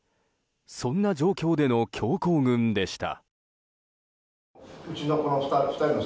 そんな状況での強行軍でした。